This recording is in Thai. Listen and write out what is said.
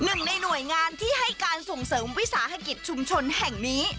หนึ่งในหน่วยงานที่ให้การส่งเสริมวิสาหกิจชุมชนแห่งนี้